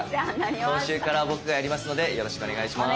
今週から僕がやりますのでよろしくお願いします。